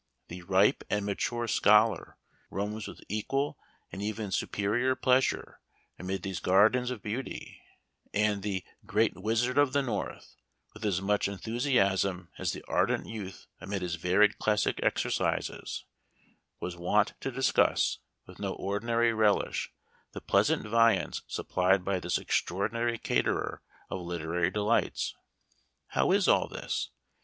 The ripe and mature scholar roams with equal and even superior pleasure amid these gardens of beauty ; and the " Great Wizard of the North," with as much enthusiasm as the ardent youth amid his varied classic exercises, was wont to discuss, with no ordinary relish, the pleasant viands supplied by this extraordinary caterer of literary delights. How is all this